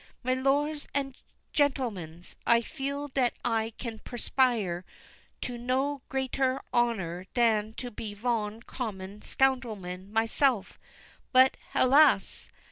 Milors and gentlemans, I feel dat I can perspire to no greatare honneur dan to be von common scoundrelman myself; but hélas!